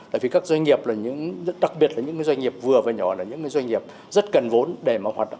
tại vì các doanh nghiệp đặc biệt là những doanh nghiệp vừa và nhỏ là những doanh nghiệp rất cần vốn để mà hoạt động